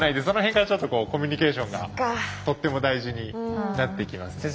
その辺からちょっとコミュニケーションがとっても大事になってきます。